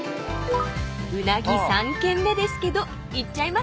［うなぎ３軒目ですけど行っちゃいますか］